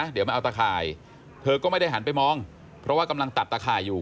เดี๋ยวมาเอาตะข่ายเธอก็ไม่ได้หันไปมองเพราะว่ากำลังตัดตะข่ายอยู่